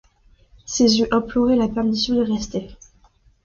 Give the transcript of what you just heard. Ses yeux imploraient la permission d’y rester.